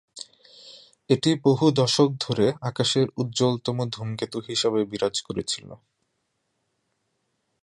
এটি বহু দশক ধরে আকাশের উজ্জ্বলতম ধূমকেতু হিসেবে বিরাজ করেছিল।